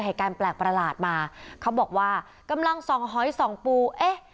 เหตุการณ์แปลกประหลาดมาเขาบอกว่ากำลังส่องหอยส่องปูเอ๊ะ